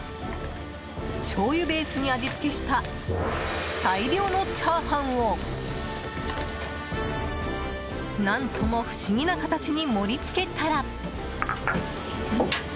しょうゆベースに味付けした大量のチャーハンを何とも不思議な形に盛り付けたら。